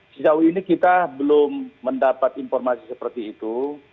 sejauh ini kita belum mendapat informasi seperti itu